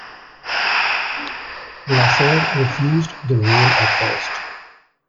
Lasser refused the role at first.